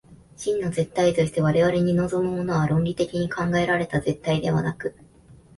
真の絶対として我々に臨むものは、論理的に考えられた絶対ではなく、